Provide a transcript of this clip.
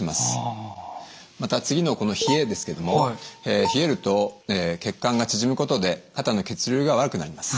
また次のこの「冷え」ですけれども冷えると血管が縮むことで肩の血流が悪くなります。